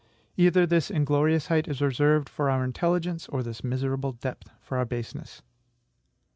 Either this glorious height is reserved for our intelligence, or this miserable depth for our baseness.